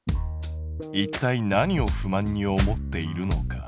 いったい何を不満に思っているのか。